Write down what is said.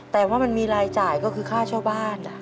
แต่ว่ามันมีรายจ่ายก็คือค่าเช่าบ้าน